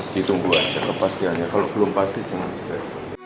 ditunggu aja kepastiannya kalau belum pasti jangan selesai